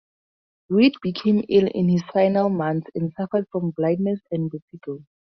Weed became ill in his final months and suffered from blindness and vertigo.